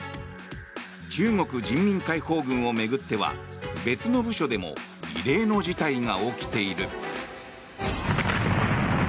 中国人民解放軍を巡っては別の部署でも異例の事態が起きている。